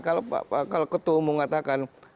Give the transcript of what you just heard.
kalau pak ketua umum mengatakan